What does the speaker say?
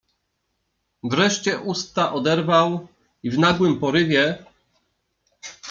Wreszcie usta oderwał i, w nagłym porywie